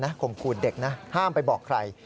หน้าข่มคู่เด็กห้ามไปบอกใคร